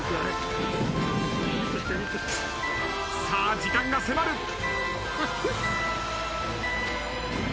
さあ時間が迫る。